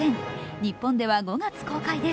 日本では５月公開です。